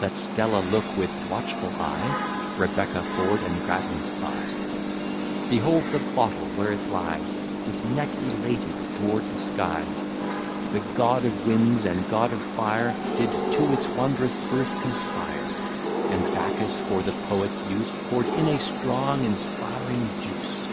Let Stella look with watchful eye, Rebecca, Ford, and Grattans by. Behold the bottle, where it lies With neck elated toward the skies! The god of winds and god of fire Did to its wondrous birth conspire; And Bacchus for the poet's use Pour'd in a strong inspiring juice.